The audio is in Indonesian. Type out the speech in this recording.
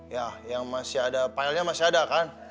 ya yang masih ada pile nya masih ada kan